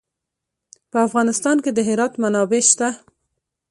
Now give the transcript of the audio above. په افغانستان کې د هرات منابع شته.